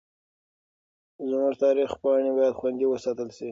زموږ تاریخي پاڼې باید خوندي وساتل سي.